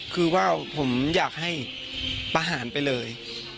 คือว่าผมอยากให้ประหารไปเลย